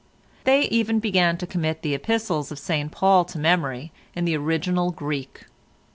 They even began to commit the Epistles of St Paul to memory in the original Greek.